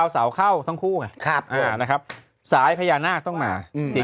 สายพญานาคต้องมา